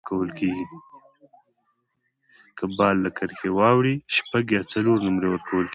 که بال له کرښي واوړي، شپږ یا څلور نومرې ورکول کیږي.